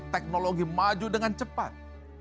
teknologi maju dengan cepat